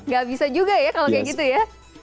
gak bisa juga ya kalau kayak gitu ya